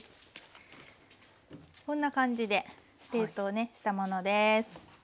こんな感じで冷凍ねしたものです。